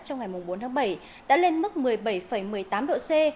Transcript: trong ngày bốn tháng bảy đã lên mức một mươi bảy một mươi tám độ c